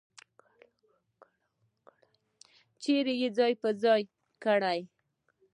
چیرې یې ځای پر ځای کړل.